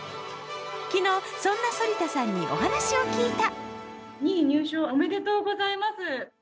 昨日、そんな反田さんにお話を聞いた。